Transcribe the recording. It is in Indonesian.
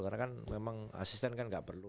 karena kan memang asisten kan gak perlu